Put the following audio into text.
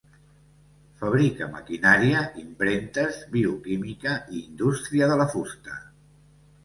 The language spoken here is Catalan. Fabrica maquinària, impremtes, bioquímica i indústria de la fusta.